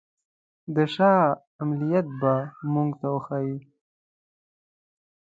د شاه عملیات به موږ ته وښيي.